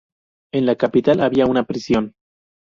En la capital había una prisión.